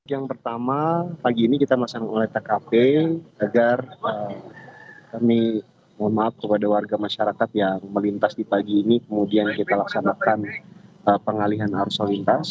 yang pertama pagi ini kita melaksanakan oleh tkp agar kami mohon maaf kepada warga masyarakat yang melintas di pagi ini kemudian kita laksanakan pengalihan arus lalu lintas